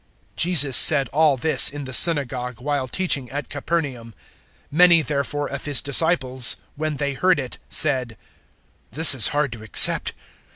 006:059 Jesus said all this in the synagogue while teaching at Capernaum. 006:060 Many therefore of His disciples, when they heard it, said, "This is hard to accept.